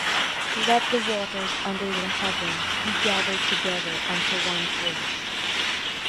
Let the waters under the heaven be gathered together unto one place.